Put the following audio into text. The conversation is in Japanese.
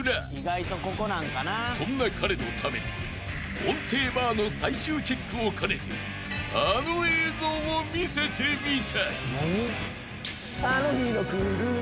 ［そんな彼のために音程バーの最終チェックを兼ねてあの映像を見せてみた］